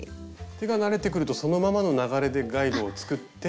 手が慣れてくるとそのままの流れでガイドを作って。